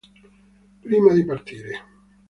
Prima di partire